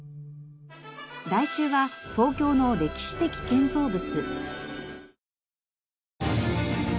来週は東京の歴史的建造物。